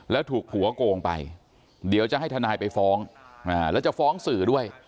แล้วถูกผัวโกงไปเดี๋ยวจะให้ทนายไปฟ้องแล้วจะฟ้องสื่อด้วย